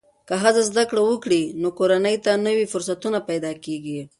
که ښځه زده کړه وکړي، نو کورنۍ ته نوې فرصتونه پیدا کېږي.